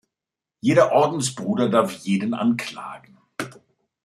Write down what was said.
Jeder Ordensbruder darf jeden anklagen.